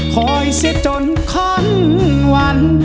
คอยเสร็จจนข้อนวัน